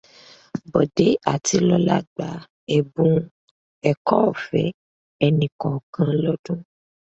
Bọ̀dẹ́ àti Lọlá gba ẹ̀bùn ẹ̀kọ́ ọ̀fẹ́ ẹnì kọ̀ọ̀kan lọ́dún.